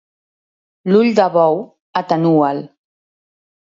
L'ull de bou, atenua'l.